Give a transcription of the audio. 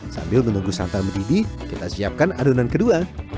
sambil menunggu santan mendidih kita siapkan adonan kedua